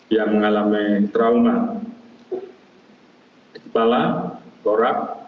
yang mengalami trauma kepala korak